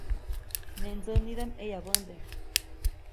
Neʼ ndsänidaʼm ʼeyabände.